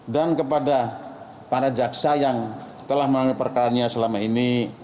dan kepada para jaksa yang telah mengambil perkaranya selama ini